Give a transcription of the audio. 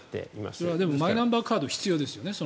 それはマイナンバーカードが必要ですよね。